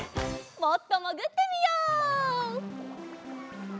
もっともぐってみよう。